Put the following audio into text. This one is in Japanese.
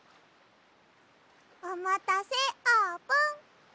おまたせあーぷん。